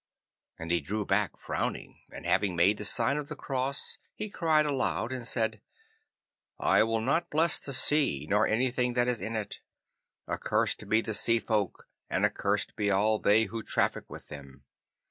And he drew back frowning, and having made the sign of the cross, he cried aloud and said, 'I will not bless the sea nor anything that is in it. Accursed be the Sea folk, and accursed be all they who traffic with them.